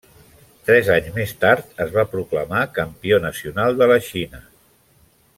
Tres anys més tard es va proclamar Campió Nacional de la Xina.